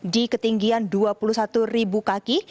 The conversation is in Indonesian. di ketinggian dua puluh satu ribu kaki